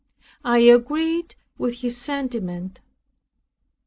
I agreed with his sentiment.